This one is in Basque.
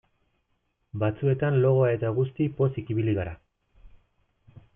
Batzuetan logoa eta guzti pozik ibili gara.